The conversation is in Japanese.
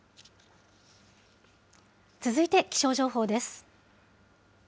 続いて気象情報です。